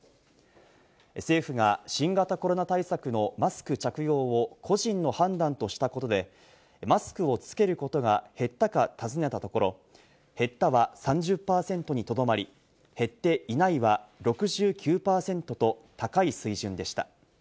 政府が新型コロナ対策のマスク着用を個人の判断としたことで、マスクをつけることが減ったか尋ねたところ、減ったは３０％にとどまり、減っていないは６９％と高い水準でした。